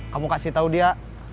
kamu kasih tau dia